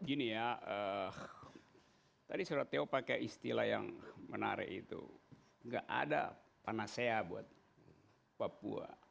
gini ya tadi surat teo pakai istilah yang menarik itu nggak ada panasea buat papua